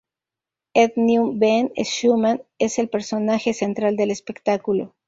Ed Newman Ben Schumann es el personaje central del espectáculo.